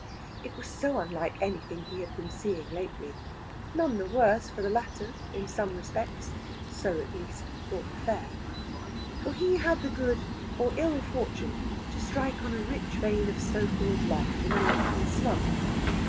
It was so unlike anything he had been seeing lately. None the worse for the latter, in some respects. So, at least, thought the fare. For he had the good, or ill, fortune to strike on a rich vein of so called life in a London slum.